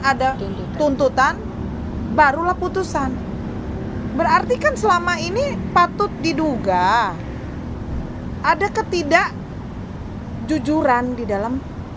ada tuntutan barulah putusan berarti kan selama ini patut diduga ada ketidakjujuran di dalam